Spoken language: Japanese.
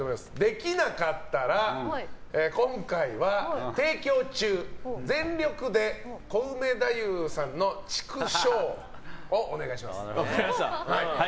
できなかったら今回は提供中、全力でコウメ太夫さんのチクショー！をお願いします。